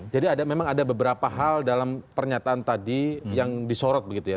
jadi memang ada beberapa hal dalam pernyataan tadi yang disorot begitu ya